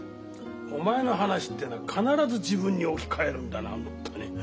お前の話ってのは必ず自分に置き換えるんだなホントに。